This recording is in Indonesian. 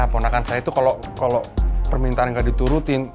ponakan saya itu kalau permintaan nggak diturutin